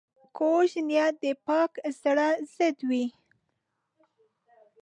کوږ نیت د پاک زړه ضد وي